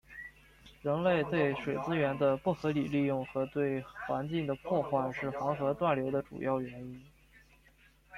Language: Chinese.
人类对水资源的不合理利用和对环境的破坏是黄河断流的主要原因。